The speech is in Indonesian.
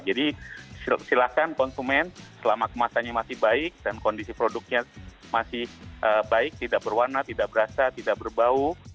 jadi silahkan konsumen selama kemasannya masih baik dan kondisi produknya masih baik tidak berwarna tidak berasa tidak berbau